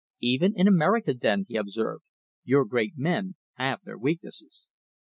"Even in America, then," he observed, "your great men have their weaknesses."